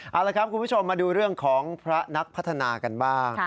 เอาละครับคุณผู้ชมมาดูเรื่องของพระนักพัฒนากันบ้าง